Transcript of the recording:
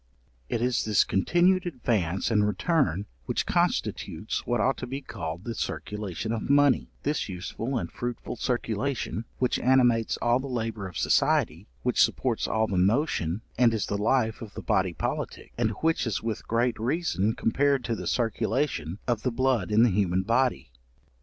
It is this continued advance and return which constitutes what ought to be called the circulation of money: this useful and fruitful circulation, which animates all the labour of society, which supports all the motion, and is the life of the body politic, and which is with great reason compared to the circulation of the blood in the human body.